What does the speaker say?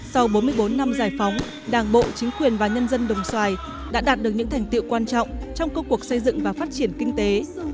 sau bốn mươi bốn năm giải phóng đảng bộ chính quyền và nhân dân đồng xoài đã đạt được những thành tiệu quan trọng trong công cuộc xây dựng và phát triển kinh tế